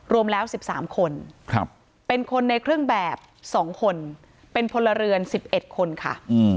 รวมแล้ว๑๓คนเป็นคนในเครื่องแบบ๒คนเป็นพลเรือน๑๑คนค่ะ